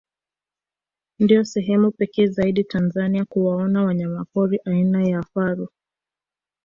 Ndio sehemu pekee zaidi Tanzania kuwaona wanyamapori aina ya faru